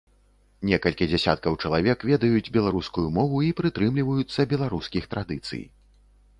Некалькі дзясяткаў чалавек ведаюць беларускую мову і прытрымліваюцца беларускіх традыцый.